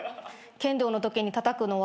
剣道のときにたたくのは？